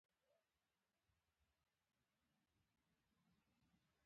شخړه په خپله ابتدايي مرحله کې شنډه کړي.